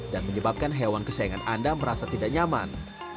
dan menyebabkan hewan kesayangan anda merasa tidak nyaman